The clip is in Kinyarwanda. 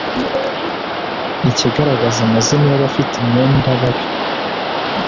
ikagaragaza amazina y abafite imyenda babi